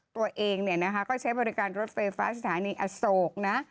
ตัวเองก็ใช้บริการรถไฟฟ้าสถานีอโศกนะ